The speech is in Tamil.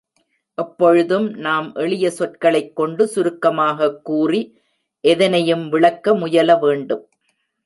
எப்பொழுதும் நாம் எளிய சொற்களைக் கொண்டு சுருக்கமாகக் கூறி எதனையும் விளக்க முயல வேண்டும்.